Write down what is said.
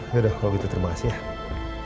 yaudah kalo gitu terima kasih ya